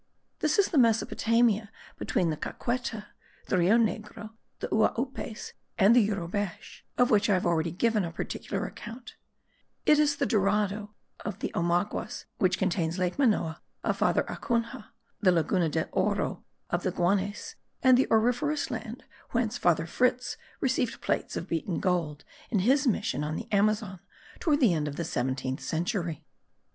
This is the Mesopotamia between the Caqueta, the Rio Negro, the Uaupes, and the Yurubesh, of which I have already given a particular account; it is the Dorado of the Omaguas which contains Lake Manoa of Father Acunha, the Laguna de oro of the Guanes and the auriferous land whence Father Fritz received plates of beaten gold in his mission on the Amazon, toward the end of the seventeenth century.